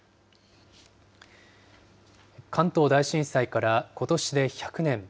関東大震災からことしで１００年。